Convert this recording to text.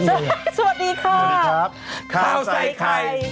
ข้าวใส่ไข่ข้าวใส่ขาว